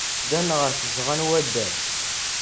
Ddan ɣer tzeɣɣa n waddal.